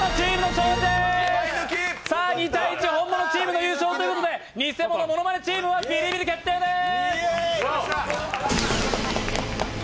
２−１ホンモノチームの勝ちということでにせものものまねチームはビリビリ決定です。